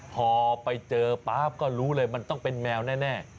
พอไปเจอก็รู้เลยว่ามันต้องเป็นแมวแน่นั้น